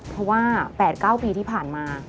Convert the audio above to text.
เพราะว่า๘๙ปีที่ผ่านมา